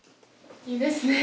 いいですね。